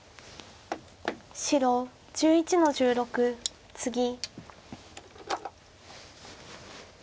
白１１の十六ツギ。